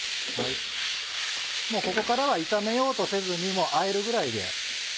もうここからは炒めようとせずにあえるぐらいで。